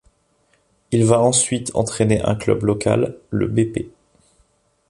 Il va ensuite entraîner un club local, le Bp.